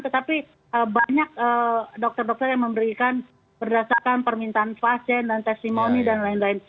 tetapi banyak dokter dokter yang memberikan berdasarkan permintaan pasien dan testimoni dan lain lain